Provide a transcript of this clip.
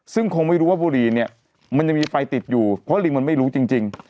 ซึ่งคงไม่รู้ว่าบุรีเนี่ยมันยังมีไฟติดอยู่เพราะลิงมันไม่รู้จริง